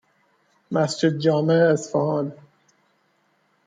مسجد جامع اصفهان